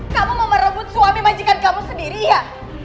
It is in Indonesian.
kamu mau merebut suami majikan kamu sendiri ya